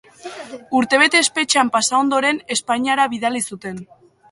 Urtebete espetxean pasa ondoren, Espainiara bidali zuten.